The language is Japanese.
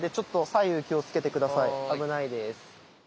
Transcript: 危ないです。